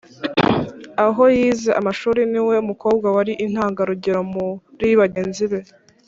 aho yize amashuri, ni we mukobwa wari intangarugero muri bagenzi be.